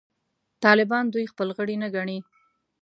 طالبان دوی خپل غړي نه ګڼي.